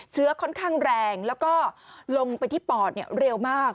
เชื้อค่อนข้างแรงแล้วก็ลงไปที่ปอดเร็วมาก